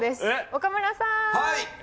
岡村さん。